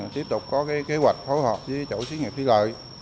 tiếp tục có kế hoạch phối hợp với chủ chuyên nghiệp thi lợi